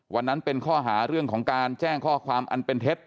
วันนั้นเป็นข้อหาเรื่องของการแจ้งข้อความอันเป็นเท็จ